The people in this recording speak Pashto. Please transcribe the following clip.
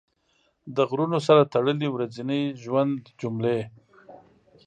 د غرونو سره تړلې ورځني ژوند جملې